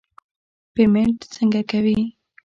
پیمنټ څنګه کوې.